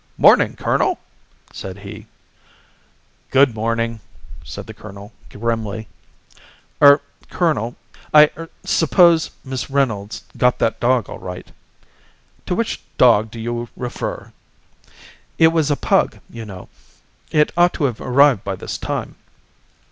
"Morning, colonel!" said he. "Good morning!" said the colonel grimly. "Er colonel, I er suppose Miss Reynolds got that dog all right?" "To which dog do you refer?" "It was a pug, you know. It ought to have arrived by this time."